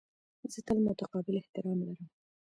زه تل متقابل احترام لرم.